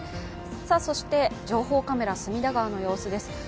そして情報カメラ隅田川の様子です。